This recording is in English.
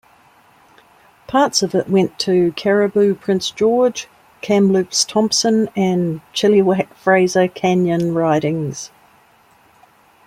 Parts of it went to Cariboo-Prince George, Kamloops-Thompson and Chilliwack-Fraser Canyon ridings.